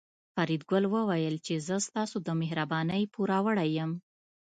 فریدګل وویل چې زه ستاسو د مهربانۍ پوروړی یم